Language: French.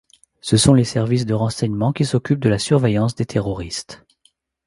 Ce sont les services de renseignements qui s'occupent de la surveillance des terroristes.